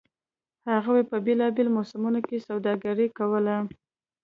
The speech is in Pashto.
هغوی په بېلابېلو موسمونو کې سوداګري کوله.